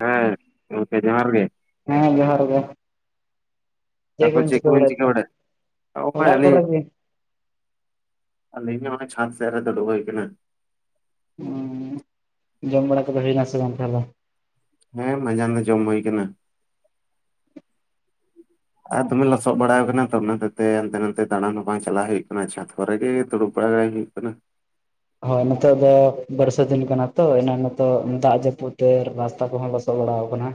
ᱦᱮ ᱜᱚᱝᱠᱮ ᱡᱚᱦᱟᱨ ᱜᱮ ᱦᱮᱸ ᱡᱚᱦᱟᱨ ᱜᱮ ᱪᱮᱫ ᱛᱟᱨᱯᱚᱨ ᱠᱚᱵᱤᱱ ᱪᱤᱠᱟ ᱵᱟᱲᱟᱭ ᱪᱤᱠᱟᱹ ᱛᱟᱦᱮᱫ ᱵᱟᱲᱟᱭᱮᱫ ᱱᱚᱜᱼᱚᱭ ᱚᱲᱟᱜ ᱠᱚᱨᱮ ᱜᱮ᱾ ᱟᱞᱤᱧ ᱦᱚᱸ ᱱᱚᱜ-ᱚᱭ ᱪᱷᱟᱸᱫ ᱥᱮᱫ ᱨᱮ ᱫᱩᱲᱩᱵ ᱦᱩᱭ ᱠᱟᱱᱟ ᱾ ᱡᱚᱢ ᱵᱟᱲᱟ ᱠᱚᱫᱚ ᱦᱩᱭᱱᱟ ᱥᱮ ᱵᱟᱝ ᱛᱟᱦᱚᱞᱮ᱾ ᱦᱮᱸ ᱢᱟᱡᱟᱱ ᱫᱚ ᱡᱚᱢ ᱦᱩᱭ ᱠᱟᱱᱟ ᱟᱨ ᱫᱚᱢᱮ ᱞᱚᱥᱚᱫ ᱵᱟᱲᱟ ᱠᱟᱱᱟ ᱛᱚ ᱚᱱᱟ ᱦᱚᱛᱮ ᱛᱮ ᱦᱟᱱᱛᱮ ᱱᱟᱛᱮ ᱫᱟᱬᱟᱱ ᱦᱚᱸ ᱵᱟᱝ ᱪᱟᱞᱟᱜ ᱦᱩᱭᱩᱜ ᱠᱟᱱᱟ ᱪᱷᱟᱸᱫ ᱠᱚᱨᱮᱜᱮ ᱫᱩᱲᱩᱵ ᱵᱟᱲᱟ ᱦᱩᱭᱩᱜ ᱠᱟᱱᱟ ᱦᱳᱭ ᱱᱤᱛᱚᱜ ᱫᱚ ᱵᱟᱹᱨᱥᱟ ᱫᱤᱱ ᱠᱟᱱᱟ ᱛᱚ ᱚᱱᱟ ᱱᱤᱛᱚᱜ ᱫᱟᱜ ᱡᱟᱹᱯᱩᱫ ᱛᱮ ᱨᱟᱥᱛᱟ ᱠᱚᱦᱚᱸ ᱞᱚᱥᱚᱫ ᱵᱟᱲᱟᱣ ᱠᱟᱱᱟ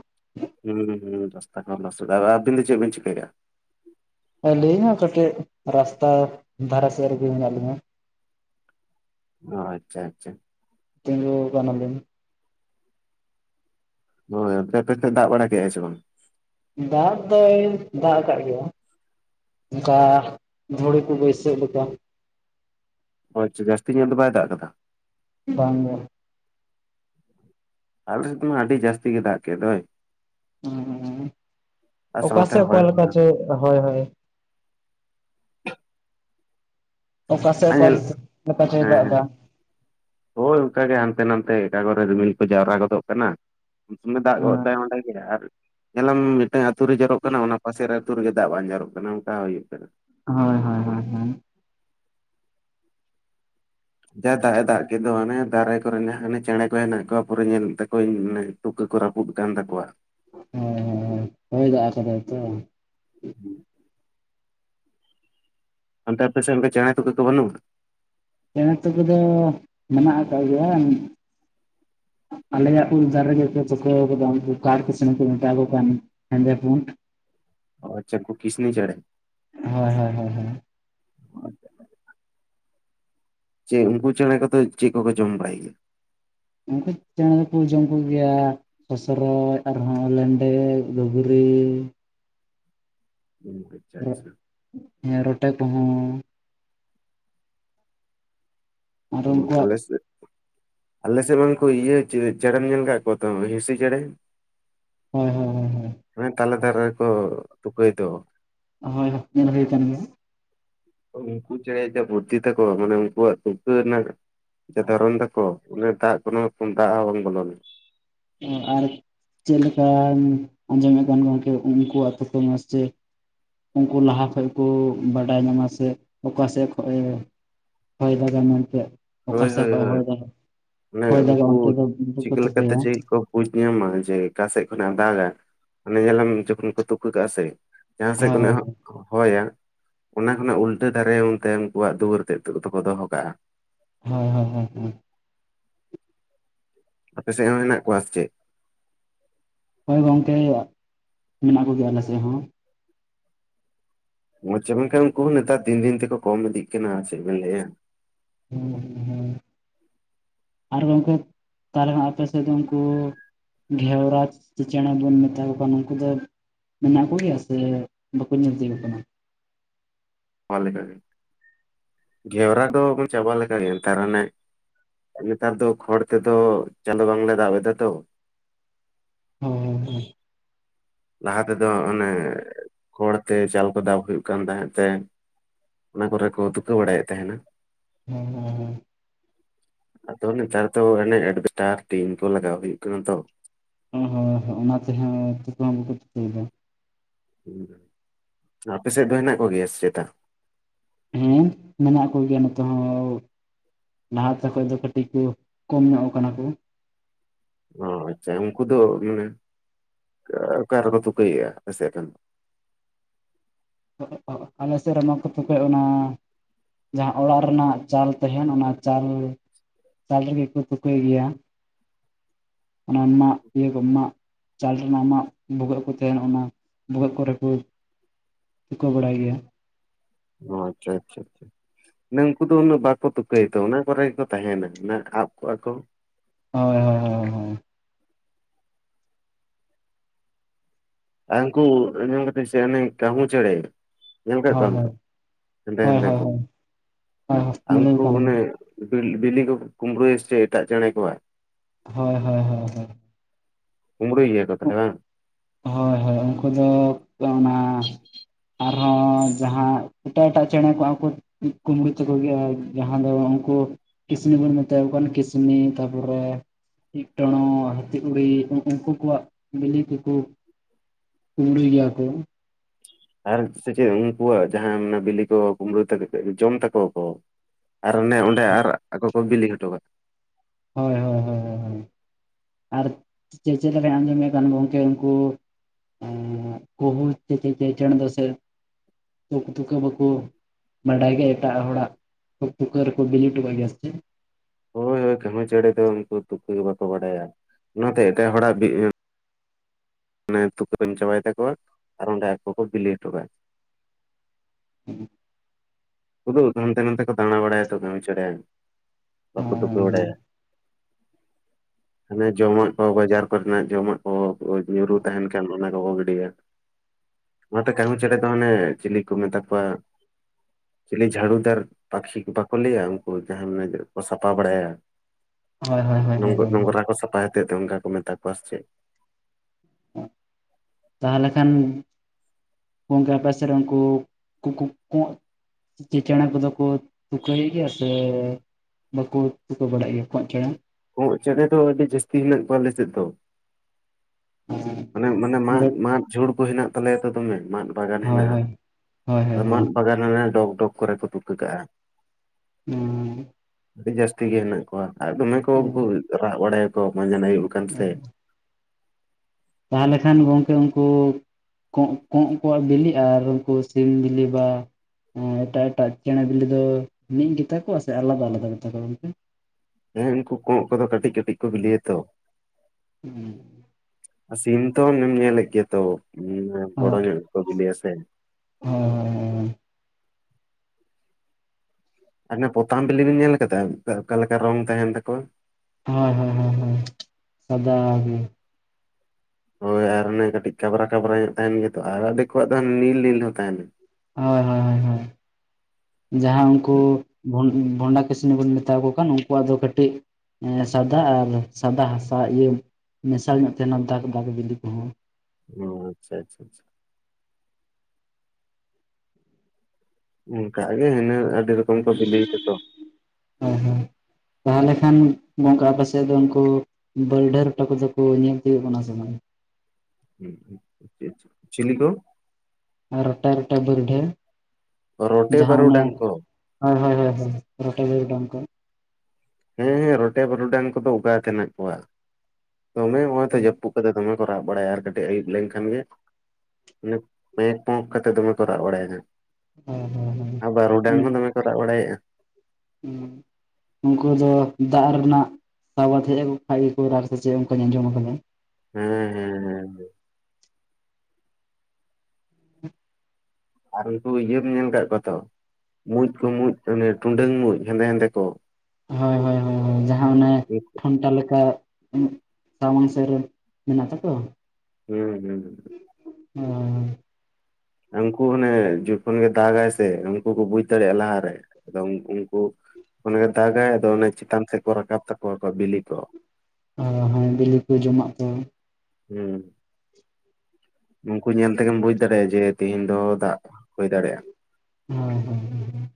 ᱦᱩᱸ ᱦᱩᱸ ᱨᱟᱥᱛᱟ ᱠᱚ ᱞᱚᱥᱚᱫ ᱟᱵᱤᱱ ᱫᱚ ᱪᱮᱫ ᱵᱤᱱ ᱪᱤᱠᱟᱭ-ᱟ ᱾ ᱟᱞᱤᱧ ᱦᱚ ᱠᱟᱹᱴᱤᱡ ᱨᱟᱥᱛᱟ ᱫᱷᱟᱨᱮ ᱥᱮᱫ ᱨᱮᱜᱮ ᱢᱮᱱᱟᱜ ᱞᱤᱧᱟ᱾ ᱚ ᱟᱪᱪᱷᱟ ᱟᱪᱪᱷᱟ ᱛᱤᱸᱜᱩ ᱟᱠᱟᱱᱟᱞᱤᱧ ᱾ ᱦᱳᱭ ᱟᱯᱮ ᱟᱯᱮ ᱥᱮᱫ ᱫᱟᱜ ᱵᱟᱲᱟ ᱠᱮᱭᱟ ᱥᱮ ᱵᱟᱝ? ᱫᱟᱜ ᱫᱚᱭ ᱫᱟᱜ ᱟᱠᱟᱫ ᱜᱮᱭᱟ ᱾ ᱚᱱᱠᱟ ᱫᱷᱩᱲᱤ ᱠᱚ ᱵᱟᱹᱭᱥᱟᱹᱜ ᱞᱮᱠᱟ ᱾ ᱟᱪᱪᱷᱟ ᱡᱟᱹᱥᱛᱤ ᱧᱚᱜ ᱫᱚ ᱵᱟᱭ ᱫᱟᱜ ᱠᱟᱫᱟ? ᱵᱟᱝ ᱜᱮ ᱟᱞᱮ ᱥᱮᱫ ᱫᱚ ᱢᱟ ᱟᱹᱰᱤ ᱡᱟᱹᱥᱛᱤ ᱜᱮ ᱫᱟᱜ ᱜᱮᱫ ᱫᱚᱭ᱾ ᱩᱸ ᱟᱨ ᱚᱠᱟ ᱥᱟᱶᱛᱮ ᱥᱮᱫ ᱚᱠᱟ ᱦᱚᱭ ᱞᱮᱠᱟ ᱦᱚᱸ ᱪᱮᱫ, ᱦᱳᱭ ᱦᱳᱭ [inaudible] ᱚᱠᱟ ᱥᱮᱫ ᱟ ᱚᱠᱟ ᱧᱮᱞ ᱞᱮᱠᱟ ᱪᱚᱭ ᱦᱮᱸ ᱫᱟᱜ ᱦᱮᱸ ᱮᱫᱟ ᱦᱳᱭ ᱚᱱᱠᱟ ᱜᱮ ᱦᱟᱱᱛᱮ ᱱᱟᱱᱛᱮ ᱚᱠᱟ ᱠᱚᱨᱮ ᱨᱤᱢᱤᱞ ᱠᱚ ᱡᱟᱣᱨᱟ ᱜᱚᱫᱚᱜ ᱠᱟᱱᱟ᱾ ᱫᱚᱢᱮ ᱫᱟᱜ ᱜᱚᱫ ᱫᱟᱭ ᱚᱸᱰᱮ ᱜᱮ, ᱟᱨ ᱧᱮᱞᱟᱢ ᱢᱤᱫᱴᱟᱝ ᱟᱹᱛᱩ ᱨᱮ ᱡᱚᱨᱚᱜ ᱠᱟᱱᱟ ᱚᱱᱟ ᱯᱟᱥᱮᱨᱮ ᱟᱹᱛᱩ ᱨᱮᱜᱮ ᱫᱟᱜ ᱵᱟᱝ ᱡᱟᱨᱚᱜ ᱠᱟᱱᱟ ᱚᱱᱠᱟ ᱦᱩᱭᱩᱜ ᱠᱟᱱᱟ᱾ ᱦᱳᱭ ᱦᱳᱭ ᱦᱳᱭ ᱦᱳᱭ᱾ ᱡᱟ ᱫᱟᱜ ᱮ ᱫᱟᱜ ᱠᱮᱜ ᱫᱚ ᱦᱟᱱᱮ ᱫᱟᱨᱮ ᱠᱚᱨᱮᱱ ᱦᱟᱱᱮ ᱪᱮᱬᱮ ᱠᱚ ᱦᱮᱱᱟᱜ ᱠᱚᱣᱟ ᱯᱩᱨᱟᱹ ᱧᱮᱞ ᱛᱟᱠᱚᱣᱟᱧ ᱢᱟᱱᱮ ᱛᱩᱠᱟᱹ ᱠᱚ ᱨᱟᱹᱯᱩᱫ ᱠᱟᱱ ᱛᱟᱠᱚᱣᱟ᱾ ᱦᱩᱸᱧ ᱦᱩᱸ ᱦᱩᱸ, ᱦᱳᱭ ᱫᱟᱜ ᱟᱠᱟᱫᱟᱭ ᱛᱚ᱾ [inaudible] ᱚᱱᱛᱮ ᱟᱯᱮ ᱥᱮᱫ ᱚᱱᱠᱟ ᱪᱮᱬᱮ ᱛᱩᱠᱟᱹ ᱠᱚ ᱵᱟᱹᱱᱩᱜ-ᱟ? ᱪᱮᱬᱮ ᱛᱩᱠᱟᱹ ᱫᱚ ᱢᱮᱱᱟᱜ ᱟᱠᱟᱜ ᱜᱮᱭᱟ᱾ ᱟᱞᱮᱭᱟᱜ ᱩᱞ ᱫᱟᱨᱮ ᱨᱮᱜᱮ ᱠᱚ ᱛᱩᱠᱟᱹ ᱠᱟᱫᱟ ᱩᱱᱠᱩ ᱠᱟᱨ ᱠᱤᱥᱱᱤ ᱠᱚ ᱢᱮᱛᱟ ᱠᱚ ᱠᱟᱱ᱾ ᱦᱮᱸᱫᱮ ᱯᱩᱱᱰ᱾ ᱚ ᱟᱪᱪᱷᱟ ᱩᱱᱠᱩ ᱠᱤᱥᱱᱤ ᱪᱮᱬᱮ? ᱦᱳᱭ ᱦᱳᱭ ᱦᱳᱭ ᱦᱳᱭ᱾ ᱪᱮᱫ ᱩᱱᱠᱩ ᱪᱮᱬᱮ ᱠᱚᱫᱚ ᱪᱮᱫ ᱠᱚᱠᱚ ᱡᱚᱢ ᱵᱟᱲᱟᱭ ᱜᱮᱭᱟ? ᱩᱱᱠᱩ ᱪᱮᱬᱮ ᱫᱚᱠᱚ ᱡᱚᱢ ᱠᱚᱜᱮᱭᱟ ᱥᱚᱥᱚᱨᱚᱡ ᱟᱨᱦᱚᱸ ᱞᱮᱸᱱᱰᱮᱫ ᱜᱷᱩᱜᱽᱨᱤ᱾ ᱜᱚᱢᱠᱮ᱾ ᱨᱚ ᱦᱮᱸ ᱨᱚᱴᱮ ᱠᱚᱦᱚᱸ᱾ ᱟᱨ ᱚ ᱩᱱᱠᱩᱣᱟᱜ ᱟᱞᱮ ᱥᱮᱫ ᱟᱞᱮ ᱥᱮᱫ ᱢᱟ ᱩᱱᱠᱩ ᱤᱭᱟᱹ ᱪᱤᱞᱤ ᱪᱮᱬᱮᱢ ᱧᱮᱞ ᱟᱠᱟᱫ ᱠᱚᱣᱟ ᱛᱚ ᱦᱤᱸᱥᱤ ᱪᱮᱬᱮ? ᱦᱳᱭ ᱦᱳᱭ᱾ ᱚᱱᱮ ᱛᱟᱞᱮ ᱫᱟᱨᱮ ᱨᱮᱠᱚ ᱛᱩᱠᱟᱹᱭ ᱫᱚ᱾ ᱦᱳᱭ ᱧᱮᱞ ᱦᱩᱭ ᱠᱟᱱ ᱜᱮᱭᱟ᱾ ᱩᱱᱠᱩ ᱪᱮᱬᱮᱭᱟᱜ ᱡᱟ ᱵᱩᱫᱫᱷᱤ ᱛᱟᱠᱚ ᱢᱟᱱᱮ ᱩᱱᱠᱩᱣᱟᱜ ᱛᱩᱠᱟᱹ ᱨᱮᱱᱟᱜ ᱡᱟ ᱫᱷᱚᱨᱚᱱ ᱛᱟᱠᱚ ᱚᱸᱰᱮ ᱫᱟᱜ ᱠᱚᱱᱚ ᱫᱟᱜ ᱦᱚᱸ ᱵᱟᱝ ᱵᱚᱞᱚ ᱱᱟ ᱚ ᱟᱨ ᱪᱮᱫ ᱞᱮᱠᱟᱧ ᱟᱸᱡᱚᱢᱮᱫ ᱠᱟᱱ ᱜᱚᱢᱠᱮ ᱩᱱᱠᱩᱣᱟᱜ ᱛᱩᱠᱟᱹ [inaudible] ᱩᱱᱠᱩ ᱞᱟᱦᱟ ᱠᱷᱚᱡ ᱠᱚ ᱵᱟᱰᱟᱭ ᱧᱟᱢᱟ ᱥᱮ ᱚᱠᱟ ᱥᱮᱫ ᱠᱷᱚᱡᱼᱮ ᱦᱚᱭ ᱫᱟᱜᱟ ᱢᱮᱱᱛᱮ᱾ ᱚᱠᱟ ᱦᱳᱭ ᱥᱮᱫ ᱦᱳᱭ ᱠᱷᱚᱡ ᱦᱳᱭ ᱦᱚᱭ ᱫᱟᱜᱼᱟ ᱢᱟᱱᱮ ᱦᱚᱭ ᱫᱟᱜᱼᱟ ᱩᱱᱠᱩ ᱚᱱᱛᱮ ᱫᱚ ᱩᱱᱠᱩ ᱠᱚ ᱪᱤᱠᱟᱹ ᱞᱮᱠᱟᱛᱮ ᱛᱩᱠᱟᱹᱭᱟ᱾ ᱪᱮᱫ ᱠᱚ ᱵᱩᱡᱽ ᱧᱟᱢᱟ ᱡᱮ ᱚᱠᱟ ᱥᱮᱫ ᱠᱷᱚᱱᱟᱜ-ᱮ ᱫᱟᱜᱟ, ᱚᱱᱮ ᱧᱮᱞᱟᱢ ᱡᱚᱠᱷᱚᱱ ᱠᱚ ᱛᱩᱠᱟᱹ ᱠᱟᱜᱼᱟ ᱥᱮ ᱡᱟᱦᱟᱸ ᱥᱮᱫ ᱦᱳᱭ ᱠᱷᱚᱱᱟᱜ-ᱮ ᱦᱚᱭᱟ ᱚᱱᱟ ᱠᱷᱚᱱᱟᱜ ᱩᱞᱴᱟᱹ ᱫᱷᱟᱨᱮ ᱚᱱᱛᱮᱱ ᱠᱩᱣᱟᱜ ᱫᱩᱣᱟᱹᱨ ᱛᱮᱫ ᱫᱚᱠᱚ ᱫᱚᱦᱚ ᱠᱟᱜᱼᱟ᱾ [inaudible] ᱟᱯᱮ ᱥᱮᱫ ᱦᱚᱸ ᱦᱮᱱᱟᱜ ᱠᱚᱣᱟ ᱥᱮ ᱪᱮᱫ? ᱦᱳᱭ ᱜᱚᱝᱠᱮ, ᱢᱮᱱᱟᱜ ᱠᱚᱜᱮᱭᱟ ᱟᱞᱮ ᱥᱮᱫ ᱦᱚᱸ᱾ [unintelligible] ᱩᱱᱠᱩ ᱦᱚᱸ ᱱᱮᱛᱟᱨ ᱫᱤᱱ ᱫᱤᱱ ᱛᱮᱠᱚ ᱠᱚᱢ ᱤᱫᱤᱜ ᱠᱟᱱᱟ ᱟᱨ ᱪᱮᱫ ᱵᱮᱱ ᱞᱟᱹᱭᱟ᱾ [inaudible] ᱟᱨ ᱜᱚᱝᱠᱮ ᱛᱟᱦᱚᱞᱮ ᱦᱟᱸᱜ ᱟᱯᱮ ᱥᱮᱫ ᱫᱚ ᱩᱱᱠᱩ ᱜᱷᱮᱣᱨᱟ ᱪᱮ ᱪᱮᱬᱮ ᱵᱚᱱ ᱢᱮᱛᱟ ᱠᱚ ᱠᱟᱱᱟ ᱩᱱᱠᱩ ᱫᱚ ᱢᱮᱱᱟᱜ ᱠᱩ ᱜᱮᱭᱟ ᱥᱮ ᱵᱟᱠᱚ ᱧᱮᱞ ᱛᱤᱭᱚᱜᱚᱜ ᱠᱟᱱᱟ᱾ ᱚᱣᱟᱞ ᱞᱮᱠᱟ ᱜᱮ ᱜᱷᱮᱣᱨᱟ ᱫᱚ ᱵᱩᱱ ᱪᱟᱵᱟ ᱞᱮᱠᱟ ᱜᱮ ᱛᱟᱨ ᱚᱱᱮ ᱱᱮᱛᱟᱨ ᱫᱚ ᱠᱷᱚᱲ ᱛᱮᱫᱚ ᱪᱟᱸᱫᱩ ᱵᱟᱝᱞᱮ ᱫᱟᱵᱽ ᱮᱫᱟ ᱛᱚ᱾ ᱦᱩᱸ ᱦᱩᱸ ᱦᱩᱸ [inaudible] ᱞᱟᱦᱟ ᱛᱮᱫᱚ ᱚᱱᱮ ᱠᱷᱚᱲ ᱛᱮ ᱪᱟᱞ ᱠᱚ ᱫᱟᱵᱽ ᱦᱩᱭᱩᱜ ᱠᱟᱱ ᱛᱟᱦᱮᱸᱜ ᱛᱮ ᱚᱱᱟ ᱠᱚᱨᱮ ᱠᱚ ᱛᱩᱠᱟᱹ ᱵᱟᱲᱟᱭᱮᱫ ᱛᱟᱦᱮᱱᱟ᱾ ᱦᱩᱸ ᱦᱩᱸ ᱦᱩᱸ ᱟᱫᱚ ᱱᱮᱛᱟᱨ ᱫᱚ ᱮᱱᱮ ᱮᱰᱵᱤᱴᱟᱨ ᱴᱤᱱ ᱠᱚ ᱞᱟᱜᱟᱣ ᱦᱩᱭᱩᱜ ᱠᱟᱱᱟ ᱛᱚ᱾ ᱟᱫᱚ ᱚᱱᱟ ᱛᱮᱦᱚᱸ ᱴᱷᱤᱠᱟ ᱦᱚᱸ ᱵᱟᱠᱚ ᱴᱷᱤᱠᱟᱹᱭᱮᱫᱟ ᱟᱯᱮ ᱥᱮᱫ ᱫᱚ ᱦᱮᱱᱟᱜ ᱠᱚ ᱜᱮᱭᱟ ᱥᱮᱛᱟ? ᱦᱮᱸ ᱢᱮᱱᱟᱜ ᱠᱚ ᱜᱮᱭᱟ ᱱᱚᱛᱮ ᱦᱚᱸᱻ᱾ ᱞᱟᱦᱟ ᱛᱮ ᱠᱷᱚᱡ ᱫᱚ ᱠᱟᱹᱴᱤᱡ ᱠᱩ ᱠᱚᱢ ᱧᱚᱜ ᱠᱟᱱᱟ ᱠᱩ᱾ ᱚ ᱟᱪᱪᱷᱟ ᱩᱱᱠᱩ ᱫᱚ ᱢᱟᱱᱮ ᱚᱠᱟ ᱨᱮᱠᱚ ᱛᱩᱠᱟᱹᱭ ᱜᱮᱜ-ᱟ ᱟᱯᱮ ᱥᱮᱫ ᱫᱚ? ᱟᱞᱮ ᱥᱮᱫ ᱨᱮᱢᱟ ᱠᱚ ᱛᱩᱠᱟᱹᱭ ᱚᱱᱟᱻ ᱡᱟᱦᱟᱸ ᱚᱲᱟᱜ ᱨᱮᱱᱟᱜ ᱪᱟᱞ ᱛᱟᱦᱮᱱ ᱚᱱᱟ ᱪᱟᱞ ᱪᱟᱞ ᱨᱮᱜᱤ ᱠᱩ ᱛᱩᱠᱟᱹᱭ ᱜᱮᱭᱟ᱾ ᱚᱱᱟ ᱢᱟᱜ ᱤᱭᱟᱹ ᱫᱚ ᱢᱟᱜ ᱪᱟᱞ ᱨᱮᱱᱟᱜ ᱟᱢᱟᱜ ᱵᱷᱩᱜᱟᱹᱜ ᱨᱮ ᱠᱚ ᱛᱟᱸᱦᱮᱸᱱ ᱚᱱᱟ ᱵᱷᱩᱜᱟᱹᱜ ᱠᱚᱨᱮ ᱠᱩ ᱛᱩᱠᱟᱹ ᱵᱟᱲᱟᱭ ᱜᱮᱭᱟ᱾ ᱚ ᱟᱪᱪᱷᱟ ᱟᱪᱪᱷᱟ᱾ ᱢᱮᱱ ᱩᱱᱠᱩ ᱫᱚ ᱩᱱᱟᱹᱜ ᱵᱟᱠᱚ ᱛᱩᱠᱟᱹᱭ ᱛᱚ ᱚᱱᱟ ᱠᱚᱨᱮ ᱜᱮᱠᱚ ᱛᱟᱸᱦᱮᱸᱱᱟ ᱚᱱᱟ ᱟᱵ ᱠᱚᱜ-ᱟ ᱠᱚ᱾ ᱦᱳᱭ ᱦᱳᱭ ᱦᱳᱭ ᱦᱳᱭ᱾ ᱟᱱᱠᱩ ᱟᱵᱷᱮᱱ ᱠᱟᱛᱮᱫ ᱥᱮ ᱚᱱᱮ ᱠᱟᱹᱦᱩ ᱪᱮᱬᱮ᱾ ᱧᱮᱞ ᱠᱟᱜ ᱦᱳᱭ ᱠᱚᱣᱟᱢ ᱛᱚ ᱦᱳᱭ ᱦᱮᱸᱫᱮ ᱦᱳᱭ ᱦᱳᱭ ᱦᱳᱭ ᱦᱮᱸᱫᱮ ᱦᱳᱭ ᱦᱳᱭ ᱠᱚ ᱦᱳᱭ ᱦᱳᱥᱴᱮᱞ ᱟᱱᱠᱩ ᱠᱟᱱ ᱜᱮᱭᱟ ᱩᱱᱟᱹᱜ [unintelligible] ᱵᱤᱞᱤ ᱠᱚ ᱠᱚ ᱠᱩᱸᱢᱲᱩᱭᱟ ᱥᱮ ᱮᱴᱟᱜ ᱪᱮᱬᱮ ᱠᱚᱣᱟᱜ᱾ ᱦᱳᱭ ᱦᱳᱭ ᱦᱳᱭ ᱦᱳᱭ ᱠᱩᱢᱲᱩᱭ ᱜᱮᱭᱟ ᱠᱚ ᱛᱟᱦᱚᱸᱞᱮ ᱵᱟᱝ᱾ ᱦᱚᱭ ᱦᱚᱭ ᱩᱱᱠᱩ ᱫᱚᱻ ᱛᱚ ᱚᱱᱟ ᱟᱨᱦᱚᱸ ᱡᱟᱦᱟᱸ ᱮᱴᱟᱜ ᱮᱴᱟᱜ ᱪᱮᱬᱮ ᱠᱚ ᱟᱵᱽ ᱠᱚ ᱠᱩᱢᱲᱩ ᱛᱮᱠᱚ ᱜᱮᱭᱟ ᱡᱟᱦᱟᱸ ᱫᱚ ᱩᱱᱠᱩ ᱠᱤᱥᱱᱤ ᱵᱚᱱ ᱢᱮᱛᱟ ᱠᱚ ᱠᱟᱱ ᱠᱤᱥᱱᱤ ᱛᱟᱯᱚᱨᱮ ᱴᱤ ᱴᱚᱬᱚᱜ ᱦᱟᱹᱛᱤ ᱠᱩᱲᱤ ᱩᱱᱠᱩ ᱠᱚᱣᱟᱜ ᱵᱤᱞᱤ ᱛᱮᱠᱚ ᱠᱩᱢᱲᱩᱭ ᱜᱮᱭᱟ ᱠᱚ᱾ ᱟᱨ ᱥᱮ ᱪᱮᱫ ᱩᱱᱠᱩᱣᱟᱜ ᱡᱟᱦᱟᱸ ᱚᱱᱟ ᱵᱤᱞᱤ ᱠᱚ ᱠᱩᱢᱲᱩᱭ ᱛᱟᱠᱚ ᱯᱮ ᱡᱚᱢ ᱛᱟᱠᱚᱣᱟ ᱠᱚ᱾ ᱟᱨ ᱚᱱᱮ ᱚᱸᱰᱮ ᱟᱨ ᱟᱠᱚ ᱠᱚ ᱵᱤᱞᱤ ᱦᱚᱴᱚ ᱠᱟᱜ ᱦᱚᱭ [unintelligible] ᱟᱨ ᱪᱮ-ᱪᱮᱫ ᱞᱮᱠᱟᱧ ᱟᱸᱡᱚᱢᱮᱜ ᱠᱟᱱ ᱜᱚᱝᱠᱮ ᱩᱱᱠᱩ ᱟᱻ ᱠᱩᱦᱩ ᱪᱮ ᱪᱮ ᱪᱮᱬᱮ ᱫᱚ ᱥᱮ ᱛᱩᱠᱩ ᱛᱩᱠᱟᱹ ᱵᱟᱠᱚ ᱵᱟᱰᱟᱭ ᱜᱮᱭᱟ ᱮᱴᱟᱜ ᱦᱚᱲᱟᱜ ᱛᱩᱠᱟᱹ ᱨᱮᱠᱚ ᱵᱤᱞᱤ ᱴᱚ ᱠᱟᱜ ᱜᱮᱭᱟ ᱥᱮ ᱪᱮᱫ? ᱦᱳᱭ ᱦᱳᱭ ᱠᱟᱺᱦᱩ ᱪᱮᱬᱮ ᱫᱚ ᱩᱱᱠᱩ ᱛᱩᱠᱟᱹ ᱵᱟᱠᱚ ᱵᱟᱰᱟᱭᱟ ᱚᱱᱟᱛᱮ ᱮᱴᱟᱜ ᱦᱚᱲᱟᱜ ᱵᱤᱭᱟᱹ ᱚᱱᱮ ᱛᱩᱠᱟᱹ ᱠᱚᱧ ᱪᱟᱵᱟᱭ ᱛᱟᱠᱚᱣᱟ ᱟᱨ ᱚᱸᱰᱮ ᱟᱠᱚ ᱠᱚ ᱵᱤᱞᱤ ᱦᱚᱴᱚ ᱠᱟᱜ-ᱟ᱾ ᱦᱮᱸ [unintelligible] ᱩᱫᱩᱜ ᱦᱟᱱᱛᱮ ᱱᱟᱱᱛᱮ ᱠᱚ ᱫᱟᱬᱟ ᱵᱟᱲᱟᱭᱟ ᱛᱚ ᱠᱟᱺᱦᱩ ᱪᱮᱬᱮ ᱵᱟᱠᱚ ᱛᱩᱠᱟᱹ ᱵᱟᱰᱟᱭᱟ᱾ [inaudible] ᱦᱟᱱᱮ ᱡᱚᱢᱟᱜ ᱠᱚ ᱵᱟᱡᱟᱨ ᱠᱚ ᱨᱮᱱᱟᱜ ᱡᱚᱢᱟᱜ ᱠᱚ ᱧᱩᱨᱩ ᱛᱟᱸᱦᱮᱸᱱ ᱠᱷᱟᱱ ᱚᱱᱟ ᱠᱚ ᱠᱚ ᱜᱤᱰᱤᱭᱟ᱾ ᱱᱚᱛᱮ ᱠᱟᱺᱦᱩ ᱪᱮᱸᱬᱮᱸ ᱫᱚ ᱦᱟᱱᱮ ᱪᱤᱞᱤ ᱠᱚ ᱢᱮᱛᱟ ᱠᱚᱣᱟ? ᱪᱤᱞᱤ ᱡᱷᱟᱹᱲᱩᱫᱟᱨ ᱯᱟᱹᱠᱷᱤ ᱠᱚ ᱵᱟᱠᱚ ᱞᱟᱹᱭᱟ ᱩᱱᱠᱩ ᱡᱟᱦᱟᱸ ᱢᱟᱱᱮ ᱠᱚ ᱥᱟᱯᱷᱟ ᱵᱟᱲᱟᱭᱟ᱾ ᱦᱳᱭ ᱦᱳᱭ ᱦᱳᱭ ᱦᱳᱭ ᱱᱚᱝᱨᱟ ᱠᱚ ᱥᱟᱯᱷᱟᱭ ᱦᱚᱛᱮᱫ ᱛᱮ ᱚᱱᱠᱟ ᱠᱚ ᱢᱮᱛᱟ ᱠᱚᱣᱟ ᱥᱮ ᱪᱮᱫ ᱛᱟᱦᱮᱞᱮ ᱠᱷᱟᱱ ᱜᱚᱝᱠᱮ ᱟᱯᱮ ᱥᱮᱫ ᱨᱮ ᱩᱱᱠᱩ ᱠᱩᱠᱩᱠᱩ ᱪᱮ ᱪᱮᱸᱬᱮ ᱠᱚᱫᱚ ᱠᱚ ᱛᱩᱠᱟᱹᱭ ᱜᱮᱭᱟ ᱥᱮ ᱵᱟᱠᱚ ᱛᱩᱠᱟᱹ ᱵᱟᱲᱟᱭ ᱜᱮᱭᱟ ᱠᱚᱸᱜ ᱪᱮᱸᱬᱮ ᱾ ᱠᱚᱸᱜ ᱪᱮᱬᱮ ᱫᱚ ᱟᱹᱰᱤ ᱡᱟᱹᱥᱛᱤ ᱦᱮᱱᱟᱜ ᱠᱚᱣᱟ ᱟᱞᱮ ᱥᱮᱫ ᱫᱚ᱾ ᱢᱟᱱᱮ ᱢᱟᱱᱮ ᱢᱟᱫ ᱵᱟᱹᱴ ᱢᱟᱫ ᱡᱷᱩᱲ ᱠᱚ ᱦᱮᱱᱟᱜ ᱛᱟᱞᱮᱭᱟ ᱛᱚ ᱫᱚᱢᱮ ᱢᱟᱫ ᱵᱟᱜᱟᱱ ᱦᱳᱭ ᱦᱮᱱᱟᱜᱼᱟ ᱦᱳᱭ ᱦᱳᱭ ᱦᱳᱭ ᱟᱫᱚ ᱦᱳᱭ ᱢᱟᱫ ᱵᱟᱜᱟᱱ ᱦᱟᱱᱮ ᱰᱚᱜᱽ ᱰᱚᱜᱽ ᱠᱚᱨᱮ ᱠᱚ ᱛᱩᱠᱟᱹ ᱠᱟᱜᱼᱟ ᱾ ᱦᱩᱸ ᱟᱹᱰᱤ ᱡᱟᱹᱥᱛᱤ ᱜᱮ ᱦᱮᱱᱟᱜ ᱠᱚᱣᱟ ᱟᱨ ᱫᱚᱢᱮ ᱠᱚ ᱩᱱᱠᱩ ᱨᱟᱜ ᱵᱟᱲᱟᱭᱟᱠᱚ ᱢᱟᱡᱟᱱ ᱟᱭᱩᱵ ᱠᱟᱱ ᱥᱮ, ᱛᱟᱦᱟ ᱞᱮᱠᱷᱟᱱ ᱜᱚᱝᱠᱮ ᱩᱝᱠᱩ ᱠᱚᱸᱜ ᱠᱚᱸᱜ ᱠᱚᱣᱟᱜ ᱵᱤᱞᱤᱜ-ᱟ, ᱟᱨ ᱩᱝᱠᱩ ᱥᱤᱢ ᱵᱤᱞᱤ ᱵᱟ ᱚ ᱮᱴᱟᱜ ᱮᱴᱟᱜ ᱪᱮᱬᱮ ᱵᱤᱞᱤ ᱫᱚ ᱢᱤᱫ ᱜᱮᱛᱟᱠᱚᱣᱟ, ᱥᱮ ᱟᱞᱟᱫᱟ ᱟᱞᱟᱫᱟ ᱜᱮᱛᱟᱠᱚᱣᱟ ᱜᱚᱝᱠᱮ᱾ ᱡᱟᱭᱦᱳᱜ ᱩᱱᱠᱩ ᱠᱚᱜ ᱠᱚᱫᱚ ᱠᱟᱹᱴᱤᱡ ᱠᱟᱹᱴᱤᱡ ᱠᱚ ᱵᱤᱞᱤᱭᱟᱛᱚ, ᱦᱩᱸᱜ-ᱩ᱾ ᱥᱤᱢ ᱛᱚ ᱚᱱᱮᱢ ᱧᱮᱞᱮᱫ ᱜᱮᱭᱟ ᱛᱚ ᱵᱚᱲᱚ ᱧᱚᱜ ᱜᱮᱠᱚ ᱵᱤᱞᱤᱭᱟ ᱥᱮ᱾ ᱦᱚᱭ ᱦᱚᱭ ᱦᱮ ᱟᱨ ᱚᱱᱟ ᱯᱚᱛᱟᱢ ᱵᱤᱞᱤ ᱵᱮᱱ ᱧᱮᱞ ᱠᱟᱫᱟ? ᱚᱠᱟ ᱚᱠᱟᱞᱮᱠᱟ ᱨᱚᱝ ᱛᱟᱦᱮᱱ ᱛᱟᱠᱚᱣᱟ᱾ ᱦᱳᱭ ᱦᱳᱭ ᱦᱳᱭ ᱦᱳᱭ ᱥᱟᱫᱟ ᱜᱤ᱾ ᱦᱳᱭ ᱟᱨ ᱚᱱᱮ ᱠᱟᱹᱴᱤᱡ ᱠᱟᱵᱽᱨᱟ ᱠᱟᱵᱨᱟ ᱧᱚᱜ ᱛᱟᱦᱮᱱ ᱜᱮᱛᱚ ᱟᱨ ᱟᱫᱤᱠ ᱠᱣᱟᱜ ᱫᱚ ᱱᱤᱞ ᱱᱤᱞ ᱦᱚᱸ ᱛᱟᱦᱮᱱᱟ᱾ ᱦᱳᱭ ᱦᱳᱭ ᱦᱳᱭ ᱦᱭᱳ ᱡᱟᱦᱟᱸ ᱩᱱᱠᱩ ᱵᱚᱱ ᱵᱷᱚᱱᱰᱟ ᱠᱤᱥᱱᱤ ᱵᱚᱱ ᱢᱮᱛᱟᱣ ᱠᱚ ᱠᱟᱱ ᱩᱱᱠᱩᱣᱟᱜ ᱫᱚ ᱠᱟᱹᱴᱤᱜ ᱥᱟᱫᱟ ᱟᱨ ᱥᱟᱫᱟ ᱦᱟᱥᱟ ᱤᱭᱟᱹ ᱢᱮᱥᱟᱞ ᱧᱚᱜ ᱛᱟᱦᱮᱱᱟ ᱫᱟᱜᱽ ᱫᱟᱜᱽ ᱵᱤᱞᱤ ᱠᱚᱦᱚᱸ᱾ ᱳ ᱟᱪᱪᱷᱟ ᱟᱪᱪᱷᱟ ᱟᱪᱪᱷᱟ ᱚᱝᱠᱟ ᱜᱮ ᱦᱤᱱᱟᱼᱟ ᱦᱮᱸ ᱦᱮᱸ ᱛᱟᱦᱞᱮ ᱠᱷᱟᱱ ᱜᱚᱝᱠ ᱟᱯᱮᱥᱮᱫ ᱫᱚ ᱩᱱᱠᱩ ᱫᱟᱹᱣᱰᱟᱹ ᱨᱚᱴᱮ ᱠᱚᱫᱚ ᱠᱚ ᱧᱮᱞ ᱛᱤᱭᱳ ᱵᱚᱱᱟ ᱥᱮ ᱵᱟᱝ? ᱦᱩᱸ ᱪᱮᱫ ᱪᱤᱞᱤ ᱠᱚ? ᱟᱨ ᱨᱚᱴᱮ ᱨᱚᱴᱮ ᱵᱟᱹᱨᱰᱷᱳ ᱨᱚᱴᱮ ᱡᱟᱦᱟᱸ ᱚᱱᱮ ᱵᱟᱹᱨᱩᱰᱟᱝ ᱠᱚ ᱦᱳᱭ ᱦᱳᱭ ᱦᱳᱭ ᱦᱳᱭ, ᱨᱚᱴᱮ ᱵᱟᱹᱨᱩᱜᱰᱟᱝ ᱠᱚ᱾ ᱦᱮᱸ ᱦᱮᱸ ᱨᱚᱴᱮ ᱵᱟᱹᱨᱩᱰᱟᱝ ᱠᱚᱫᱚ ᱚᱜᱟᱛ ᱦᱮᱱᱟᱜ ᱠᱚᱣᱟ ᱫᱚᱢᱮ ᱱᱚᱜ-ᱚᱭ ᱛᱚ ᱡᱟᱹᱯᱩᱜ ᱚᱠᱚᱭ ᱫᱚ ᱫᱚᱢᱮ ᱠᱚ ᱨᱟᱜ ᱵᱟᱲᱟᱭᱟ ᱟᱨ ᱠᱟᱹᱴᱤᱡ ᱟᱹᱭᱩᱵ ᱞᱮᱱᱠᱷᱟᱱ ᱜᱮ ᱢᱟᱱᱮ ᱯᱮᱸᱠ ᱯᱚᱸᱠ ᱠᱟᱛᱮ ᱫᱚᱢᱮ ᱠᱚ ᱨᱟᱜ ᱵᱟᱲᱟᱭᱟ ᱫᱟ᱾ ᱦᱳᱭ ᱦᱳᱭ ᱵᱟᱨᱩᱰᱟᱝ ᱦᱳᱭ ᱦᱚᱸ ᱫᱚᱢᱮ ᱠᱚ ᱨᱟᱜ ᱵᱟᱲᱟᱭᱮᱜ-ᱟ᱾ ᱦᱩᱸ ᱩᱱᱠᱩ ᱫᱚ ᱫᱟᱜ ᱨᱮᱱᱟᱜ ᱥᱟᱵᱟᱫ ᱦᱮᱡ ᱟᱠᱚ ᱠᱷᱟᱱ ᱜᱮᱠᱚ ᱨᱟᱜ ᱥᱮ ᱪᱮᱫ ᱩᱱᱠᱟ ᱟᱸᱡᱚᱢ ᱟᱠᱟᱫᱟ ᱾ ᱦᱮᱸ ᱦᱮᱸ ᱦᱮᱸ᱾ ᱟᱨ ᱩᱝᱠᱩ ᱤᱭᱟᱹᱢ ᱧᱮᱞ ᱠᱟᱜ ᱠᱚᱣᱟ ᱛᱚ ᱢᱩᱡ ᱠᱚ ᱢᱩᱡ ᱚᱱᱮ ᱴᱩᱰᱟᱹᱝ ᱢᱩᱡ ᱦᱮᱸᱫᱮ ᱦᱮᱸᱫᱮ ᱠᱚ? ᱦᱳᱭ ᱦᱳᱭ ᱦᱳᱭ ᱡᱟᱦᱟᱸ ᱚᱱᱮ ᱦᱩᱸ ᱴᱷᱚᱱᱴᱟ ᱞᱮᱠᱟ᱾ ᱦᱚᱸ ᱥᱟᱢᱟᱝ ᱥᱮᱜ ᱨᱮᱱ ᱢᱮᱱᱟᱜ ᱛᱟᱠᱚᱣᱟ? ᱦᱩᱸ ᱦᱩᱸ᱾ ᱦᱩᱸ ᱩᱱᱠᱩ ᱚᱱᱮ ᱡᱚᱠᱷᱚᱱ ᱜᱮ ᱫᱟᱜᱟᱭ ᱥᱮ ᱩᱱᱠᱩ ᱠᱚ ᱵᱩᱡ ᱫᱟᱲᱮᱭᱟᱜ-ᱟ ᱞᱟᱦᱟᱨᱮ, ᱟᱫᱚ ᱩᱱ ᱩᱱᱠᱩ ᱚᱱᱮ ᱫᱟᱜᱟᱭ ᱟᱫᱚ ᱚᱱᱮ ᱪᱮᱛᱟᱱ ᱛᱮᱠᱚ ᱨᱟᱠᱟᱵ ᱛᱟᱠᱚᱣᱟ ᱠᱚ ᱵᱤᱞᱤ ᱠᱚ᱾ ᱦᱮᱸ ᱦᱳᱭ ᱵᱤᱞᱤ ᱠᱚ ᱡᱚᱢᱟᱜ ᱠᱚ᱾ ᱦᱩᱸ ᱱᱩᱝᱠᱩ ᱧᱮᱞ ᱛᱮᱜᱮᱢ ᱵᱩᱡ ᱫᱟᱲᱮᱭᱟᱜᱼᱟ ᱡᱮ ᱛᱮᱦᱤᱧ ᱫᱚ ᱫᱟᱜ ᱦᱩᱭ ᱫᱟᱲᱮᱭᱟᱜᱼᱟ᱾ ᱦᱳᱭ ᱦᱳᱭ ᱦᱳᱭ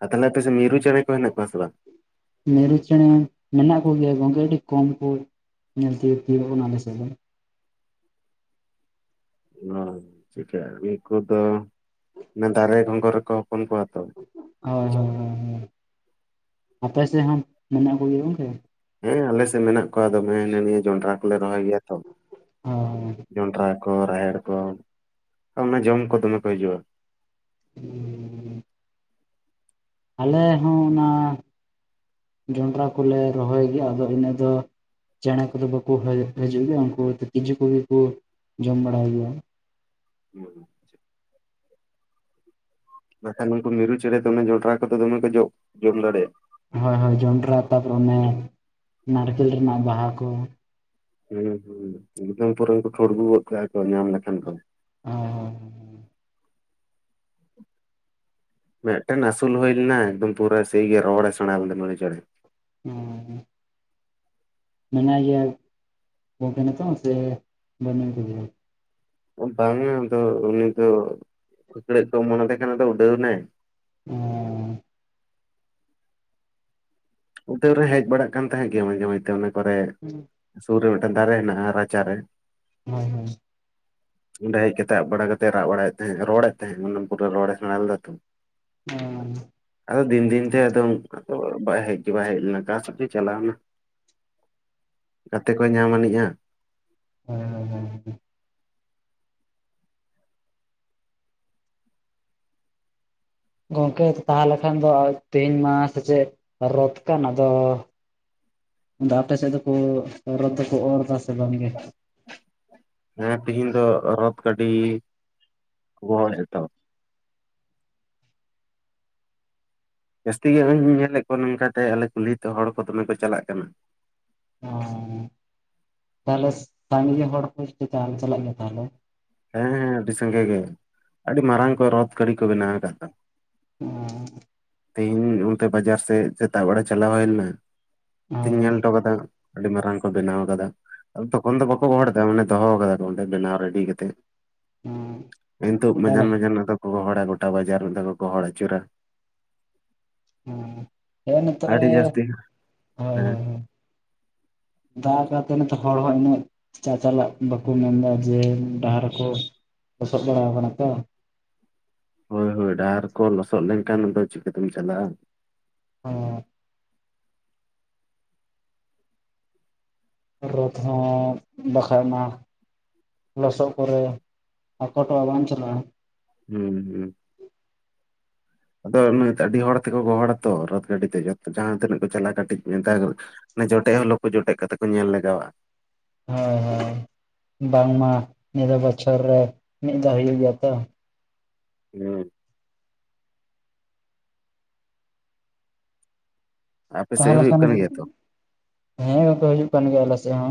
ᱟᱨ ᱛᱟᱦᱞᱮ ᱟᱯᱮ ᱥᱮᱫ ᱢᱤᱨᱩ ᱪᱮᱬᱮ ᱠᱚ ᱦᱮᱱᱟᱜ ᱠᱚᱣᱟ ᱥᱮ ᱵᱟᱝ? ᱢᱤᱨᱩ ᱪᱮᱬᱮ ᱢᱮᱱᱟᱜ ᱠᱚᱜᱮᱭᱟ ᱜᱚᱝᱠᱮ ᱟᱹᱰᱤ ᱠᱚᱢ ᱠᱚ ᱧᱮᱞ ᱛᱮᱜᱮ ᱛᱤᱭᱟᱜ-ᱚ ᱠᱟᱱᱟ ᱟᱞᱮᱥᱮᱫ ᱫᱚ᱾ ᱚ ᱪᱤᱠᱟᱹ ᱩᱱᱠᱩ ᱫᱚ ᱚᱱᱟ ᱫᱟᱨᱮ ᱜᱚᱸᱜᱚᱨ ᱨᱮᱠᱚ ᱦᱚᱯᱚᱱ ᱠᱚᱣᱟ ᱛᱚ᱾ ᱦᱳᱭ ᱦᱳᱭ ᱦᱳᱭ ᱟᱯᱮ ᱥᱮᱜ ᱦᱚᱸ ᱢᱮᱱᱟᱜ ᱠᱚᱜᱮᱭᱟ ᱜᱚᱝᱠᱮ? ᱦᱮᱸ ᱟᱞᱮ ᱥᱮᱫ ᱢᱮᱱᱟᱜ ᱠᱚᱣᱟ ᱫᱚᱢᱮ ᱦᱤᱱᱟᱹ ᱱᱤᱭᱟᱹ ᱡᱚᱱᱰᱨᱟ ᱠᱚᱞᱮ ᱨᱚᱦᱚᱭ ᱜᱮᱭᱟ ᱛᱚ᱿ ᱦᱳᱭ ᱡᱚᱱᱰᱨᱟ ᱠᱚ ᱨᱟᱦᱮᱲ ᱠᱚ ᱚᱱᱟ ᱡᱚᱢ ᱠᱚ ᱫᱚᱢᱮ ᱠᱚ ᱦᱤᱡᱩᱜᱼᱟ᱿ ᱦᱩᱸ ᱟᱞᱮ ᱦᱚᱸ ᱚᱱᱟ ᱡᱚᱱᱰᱨᱟ ᱠᱚᱞᱮ ᱨᱚᱦᱚᱭ ᱜᱮᱭᱟ ᱟᱫᱚ ᱤᱱᱟᱹ ᱫᱚ ᱪᱮᱸᱬᱮᱸ ᱠᱚᱫᱚ ᱵᱟᱠᱚ ᱦᱤᱡᱩᱜ ᱜᱮᱭᱟ ᱩᱱᱠᱩ ᱛᱤᱡᱩ ᱠᱚᱜᱮ ᱠᱚ ᱡᱚᱢ ᱵᱟᱲᱟᱟᱭ ᱜᱮᱭᱟ᱿ ᱦᱩᱸ ᱵᱟᱠᱷᱟᱱ ᱱᱩᱠᱩ ᱢᱤᱨᱩ ᱪᱮᱸᱬᱮᱸ ᱫᱚᱢᱮ ᱠᱚᱫᱷᱚ ᱡᱚᱸᱰᱨᱟ ᱠᱚᱫᱚ ᱫᱚᱢᱮ ᱠᱚ ᱡᱚᱜ ᱡᱚᱢ ᱫᱟᱲᱮᱭᱟᱜᱼᱟ᱿ ᱦᱳᱭ ᱦᱳᱭ ᱡᱚᱱᱰᱨᱟ ᱛᱟᱯᱚᱨᱮ ᱚᱱᱮ ᱱᱟᱨᱠᱮᱞ ᱨᱮᱱᱟᱜ ᱵᱟᱦᱟ ᱠᱚ᱿ ᱦᱮᱸ ᱦᱩᱸ ᱢᱤᱫᱚᱢ ᱯᱚᱨᱮᱠᱚ ᱴᱷᱩᱲᱜᱩ ᱜᱚᱫ ᱠᱚᱣᱟ ᱠᱚ ᱧᱟᱢ ᱞᱮᱠᱷᱟᱱ ᱠᱚ ᱦᱸ ᱦᱮᱸ ᱦᱸᱸ ᱢᱤᱫᱴᱮᱱ ᱟᱥᱩᱞ ᱦᱩᱭ ᱞᱮᱱᱟ ᱮᱠᱫᱚᱢ ᱯᱩᱨᱟᱹ ᱥᱮᱭᱜᱮ ᱨᱚᱲ ᱮ ᱥᱮᱬᱟ ᱞᱮᱫᱟ ᱪᱮᱬᱮ᱿ ᱦᱩᱸᱩᱸ ᱢᱮᱱᱟᱭ ᱜᱮᱭᱟ ᱜᱤᱱᱜᱮ ᱱᱤᱛᱚᱜ ᱦᱚᱸ ᱯᱮ ᱵᱟᱹᱱᱩᱜ ᱟᱠᱟᱫᱮᱭᱟ ᱥᱮ ᱵ ᱵᱟᱝᱟ ᱟᱫᱚ ᱩᱱᱤ ᱫᱚ ᱞᱷᱟᱠᱲᱟᱹᱜ ᱠᱚ ᱚᱢᱚᱱ ᱟᱫᱮ ᱠᱟᱱᱟᱱᱫᱚ ᱩᱰᱟᱹᱣ ᱮᱱᱟᱭ᱿ ᱦᱸ ᱩᱛᱟᱹᱨᱣ ᱨᱮ ᱦᱮᱡ ᱵᱟᱲᱟᱜ ᱠᱟᱱ ᱛᱟᱦᱮᱸᱜ ᱜᱮᱭᱟ ᱢᱟᱡᱷᱮᱼᱡᱷᱛᱮ ᱚᱱᱟ ᱠᱚᱨᱮ᱿ ᱦᱩᱸ ᱥᱩᱨ ᱨᱮ ᱢᱤᱫᱴᱮᱡ ᱫᱟᱨᱮ ᱢᱮᱱᱟᱜ ᱼᱟ ᱨᱟᱪᱟᱨᱮ ᱨᱮ᱿ ᱦᱳᱭ ᱦᱳᱭ ᱚᱸᱰᱮ ᱦᱮᱡ ᱠᱟᱛᱮᱜ ᱟᱵ ᱵᱟᱲᱟ ᱠᱟᱛᱮᱭ ᱨᱟᱜ ᱵᱟᱲᱟᱭᱮᱫ ᱛᱟᱦᱮᱸᱜ ᱨᱚᱲᱮᱫ ᱛᱟᱦᱮᱸᱜ ᱚᱱᱟ ᱯᱚᱨᱮ ᱨᱚᱲᱮ ᱥᱮᱬᱟ ᱞᱮᱫᱟᱛᱚ᱿ ᱦᱮᱸ ᱟᱫᱚ ᱫᱤᱱ ᱫᱤᱱ ᱛᱮ ᱟᱫᱚ ᱩᱱᱠᱩ ᱚᱲᱟᱜ ᱫᱚ ᱵᱟᱭ ᱦᱮᱡ᱿ ᱪᱮᱵᱟᱭ ᱦᱮᱡ ᱞᱮᱱᱟ ᱚᱠᱟ ᱥᱮᱫ ᱜᱮ ᱪᱟᱞᱟᱣᱱᱟ ᱜᱟᱛᱮ ᱠᱚ ᱧᱟᱢ ᱟᱹᱱᱤᱡᱼᱟ᱿ ᱦᱮᱸ ᱦᱮᱸᱸ ᱜᱚᱝᱠᱮ ᱛᱟᱦᱚᱞᱮᱠᱷᱟᱱ ᱫᱚ ᱛᱮᱦᱮᱧ ᱢᱟ ᱥᱮᱪᱮᱫ ᱨᱚᱫ ᱠᱟᱱ ᱟᱫᱚ ᱫᱚ ᱟᱯᱮ ᱥᱮᱫ ᱫᱚᱠᱚ ᱨᱚᱫᱽ ᱫᱚ ᱚᱨ ᱮᱫᱟ ᱥᱮ ᱵᱟᱝ ᱜᱮ ᱦᱮᱸ ᱛᱤᱦᱮᱧ ᱫᱚ ᱨᱚᱛ ᱜᱟᱹᱰᱤ ᱜᱚᱦᱳᱰ ᱮᱛᱚᱦᱚᱵ᱿ ᱡᱟᱹᱥᱛᱤ ᱜᱮ ᱱᱚᱜᱼᱚᱭᱧ ᱧᱮᱞᱮᱫ ᱠᱚᱣᱟ ᱱᱚᱝᱠᱟᱛᱮ ᱟᱞᱮ ᱠᱩᱞᱦᱤ ᱛᱮ ᱦᱚᱲ ᱠᱚ ᱫᱚᱢᱮ ᱠᱚ ᱪᱟᱞᱟᱜ ᱠᱟᱱᱟ᱿ ᱚ ᱛᱟᱦᱚᱞᱮ ᱥᱟᱜᱤᱧ ᱨᱮᱱ ᱦᱚᱲ ᱠᱚ ᱪ ᱪᱟᱞᱟᱜ ᱢᱮ ᱛᱟᱦᱚᱞᱮ᱿ ᱦᱮᱸ ᱦᱮᱸ ᱟᱹᱰᱤ ᱥᱟᱸᱜᱮ ᱜᱮ ᱟᱹᱰᱤ ᱢᱟᱨᱟᱝ ᱠᱚ ᱨᱚᱛᱷ ᱜᱟᱹᱲᱤ ᱠᱚ ᱵᱮᱱᱟᱣ ᱟᱠᱟᱫ ᱫᱽᱚ᱿ ᱦᱸ ᱛᱮᱦᱤᱧ ᱚᱱᱛᱮ ᱵᱟᱡᱟᱨ ᱥᱮᱫ ᱥᱮᱛᱟᱜ ᱵᱮᱲᱟ ᱪᱟᱞᱟᱣ ᱦᱩᱭ ᱞᱮᱱᱟ ᱛᱤᱧ ᱧᱮᱞ ᱦᱚᱴᱚ ᱦᱳᱭ ᱠᱟᱫᱟ᱿ ᱟᱹᱰᱤ ᱢᱟᱨᱟᱝ ᱠᱚ ᱵᱮᱱᱟᱣ ᱟᱠᱟᱫᱟ ᱟᱹᱰᱤᱢᱟᱨᱟᱝ ᱠᱚ ᱵᱮᱱᱟᱣ ᱟᱠᱟᱫᱟ ᱛᱚᱠᱷᱚᱱ ᱫᱚ ᱵᱟᱠᱚ ᱜᱚᱦᱚᱲᱮᱫᱟ ᱢᱟᱱᱮ ᱫᱚᱦᱚ ᱟᱠᱟᱫᱟᱠᱚ ᱚᱸᱰᱮ ᱵᱮᱱᱟᱣ ᱨᱮᱰᱤ ᱠᱟᱛᱮ ᱠᱟᱛᱮ᱿ ᱱᱤᱛᱩᱚᱜ ᱛᱟᱦᱚᱞᱮ ᱢᱟᱡᱟᱱᱻᱢᱟᱡᱟᱱ ᱨᱮᱫᱚ ᱠᱚ ᱜᱚᱦᱚᱲᱟ ᱜᱚᱴᱟ ᱵᱟᱡᱟᱨ ᱢᱤᱫᱷᱟᱹᱣ ᱠᱚ ᱜᱚᱦᱚᱲ ᱟᱹᱪᱩᱨᱟ᱿ ᱦᱸ ᱦ ᱱᱤᱛᱚᱜ ᱟᱹᱰᱤ ᱮ ᱡᱟᱹᱥᱛᱤ ᱦᱮᱸ ᱦᱮᱸᱦᱮᱸ ᱫᱟᱜ ᱠᱟᱛᱮ ᱱᱤᱛᱚᱜ ᱦᱚᱲ ᱦᱚᱸ ᱤᱱᱟᱹᱜ᱿ ᱪᱟ ᱪᱟᱞᱟᱜ ᱵᱟᱠᱚ ᱢᱮᱱᱫᱟ ᱡᱮ ᱰᱟᱦᱟᱨ ᱠᱚ ᱞᱚᱥᱚᱫ ᱵᱟᱲᱟᱣ ᱠᱟᱱᱟ ᱛᱚ᱿ ᱦᱳᱭ ᱦᱳᱭ ᱰᱟᱦᱟᱨ ᱠᱚ ᱞᱚᱥᱚᱫ ᱞᱮᱱᱠᱷᱟᱱ ᱫᱚ ᱪᱤᱠᱟᱹᱛᱮᱢ ᱪᱟᱞᱟᱜᱼᱟ᱿ ᱚ ᱨᱚᱛ ᱦᱚᱸ ᱵᱟᱠᱷᱟᱭ ᱢᱟ᱿ ᱞᱚᱥᱚᱫ ᱠᱚᱨᱮ ᱟᱹᱠᱚᱴᱚᱣᱟᱹᱜ ᱵᱟᱝ ᱪᱟᱹᱞᱟᱜᱼᱟ᱿ ᱦᱩᱸ ᱦᱩᱸ᱾ ᱟᱫᱚ ᱱᱚ ᱟᱹᱰᱤ ᱦᱚᱲ ᱛᱮᱠᱚ ᱜᱚᱦᱚᱲ ᱟᱛᱚ ᱨᱳᱛ ᱜᱟᱹᱰᱤ ᱛᱮ ᱡᱟᱦᱟᱸ ᱛᱤᱱᱟᱹᱜ ᱠᱚ ᱪᱟᱞᱟᱜᱼᱟ ᱠᱟᱹᱴᱤᱡ ᱢᱮ ᱡᱚᱴᱮᱫ ᱦᱚᱸ ᱞᱟᱹᱠᱩ ᱡᱚᱴᱮᱫ ᱠᱟᱛᱮ ᱠᱚ ᱧᱮᱞ ᱞᱟᱜᱟᱣᱟᱜ-ᱟ᱾ ᱦᱳᱭ ᱦᱳᱭ ᱵᱟᱝᱢᱟ ᱱᱤᱭᱟᱹ ᱫᱚ ᱵᱚᱪᱷᱚᱨ ᱨᱮ ᱢᱤᱫ ᱫᱷᱟᱣ ᱦᱩᱭᱩᱜ ᱜᱮᱭᱟ ᱛᱚ᱾ ᱦᱮᱸ᱾ ᱟᱯᱮ ᱥᱮᱫ ᱛᱟᱦᱚᱞᱮ ᱦᱩᱭᱩᱜ ᱠᱷᱟᱱ ᱠᱟᱱ ᱜᱮᱭᱟ ᱛᱚ ᱦᱮᱸ ᱵᱟᱯᱮ ᱦᱤᱡᱩᱜ ᱠᱟᱱ ᱜᱮᱭᱟ ᱟᱞᱮ ᱥᱮᱱ ᱦᱚ᱾